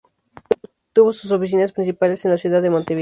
Tuvo sus oficinas principales en la ciudad de Montevideo.